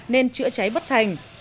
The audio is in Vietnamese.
nên chữa cháy bất thành